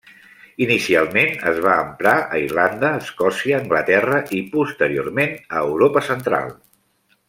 Inicialment es va emprar a Irlanda, Escòcia, Anglaterra i posteriorment a Europa central.